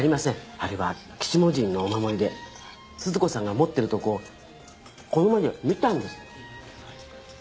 あれは鬼子母神のお守りで鈴子さんが持ってるとこをこの目で見たんです